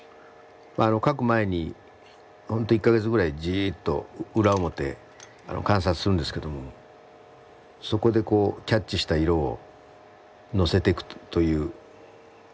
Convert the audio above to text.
描く前に本当１か月ぐらいじっと裏表観察するんですけどもそこでこうキャッチした色を載せていくという感じですかね。